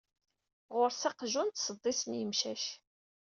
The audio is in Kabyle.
Ɣur-s aqjun d sḍis n yemcac.